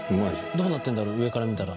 どうなってんだろう上から見たら。